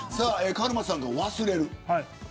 カルマさんが忘。